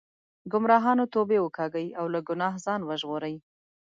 ګمراهانو توبې وکاږئ او له ګناه ځان وژغورئ.